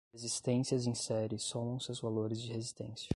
Resistências em série somam os seus valores de resistência.